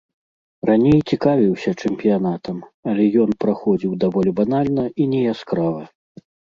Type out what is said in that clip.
Раней цікавіўся чэмпіянатам, але ён праходзіў даволі банальна і неяскрава.